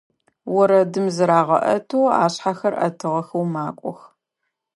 Орэдым зырагъэӀэтэу, ашъхьэхэр Ӏэтыгъэхэу макӀох.